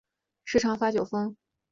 时常发酒疯